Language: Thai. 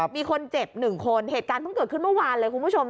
มีคนเจ็บหนึ่งคนเหตุการณ์เพิ่งเกิดขึ้นเมื่อวานเลยคุณผู้ชม